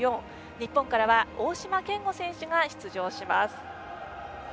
日本から大島健吾選手が出場します。